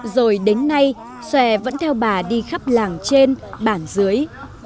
rồi đến nay xòe vẫn theo bà đi khắp làng trên bản dưới